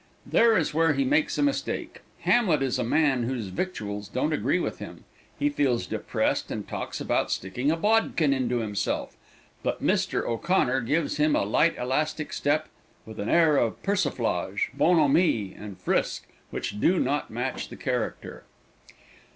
There is where he makes a mistake. Hamlet is a man whose victuals don't agree with him. He feels depressed and talks about sticking a bodkin into himself, but Mr. O'Connor gives him a light, elastic step, and an air of persiflage, bonhomie, and frisk, which do not match the character.